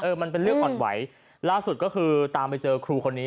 มันเป็นเรื่องอ่อนไหวล่าสุดก็คือตามไปเจอครูคนนี้